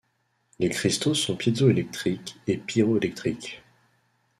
Les cristaux sont piézoélectriques et pyroélectriques.